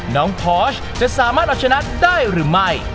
น้องพอร์ชจะสามารถอัดชนะได้หรือไม่